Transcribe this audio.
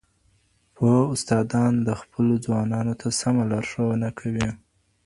پوه استادان خپلو ځوانانو ته سمه لارښوونه کوي.